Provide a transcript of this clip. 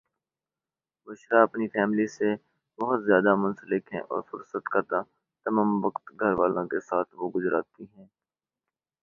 بشریٰ اپنی فیملی سے بوہت زیاد منسلک ہیں اور فرست کا تمم وقت گھر والوں کے ساتھ وہ گجراتی ہیں